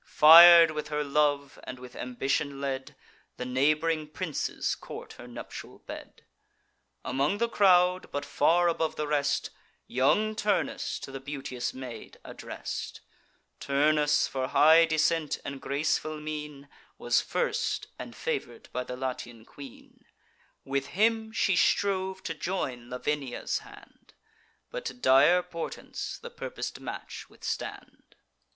Fir'd with her love, and with ambition led, The neighb'ring princes court her nuptial bed. Among the crowd, but far above the rest, Young Turnus to the beauteous maid address'd. Turnus, for high descent and graceful mien, Was first, and favour'd by the Latian queen; With him she strove to join Lavinia's hand, But dire portents the purpos'd match withstand.